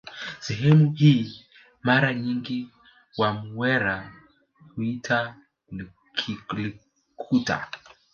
Sehemu hii mara nyingi wamwera huiita Likuta